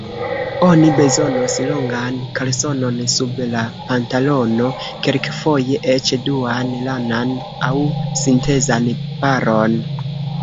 Oni bezonos longan kalsonon sub la pantalono, kelkfoje eĉ duan, lanan aŭ sintezan paron.